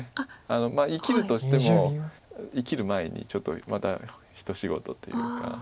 生きるとしても生きる前にちょっとまた一仕事というか。